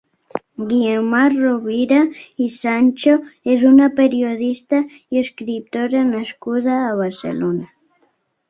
Guiomar Rovira i Sancho és una periodista i escriptora nascuda a Barcelona.